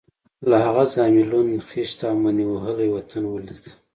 له هغه ځایه مې لوند، خېشت او مني وهلی وطن ولید.